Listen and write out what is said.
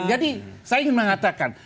jadi saya ingin mengatakan